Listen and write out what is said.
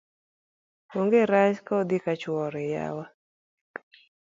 ong'e rach ka odhi kachoure yawa